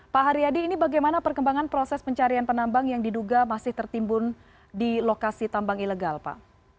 pak haryadi ini bagaimana perkembangan proses pencarian penambang yang diduga masih tertimbun di lokasi tambang ilegal pak